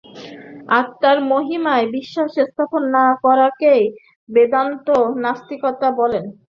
আত্মার মহিমায় বিশ্বাস স্থাপন না করাকেই বেদান্ত নাস্তিকতা বলেন।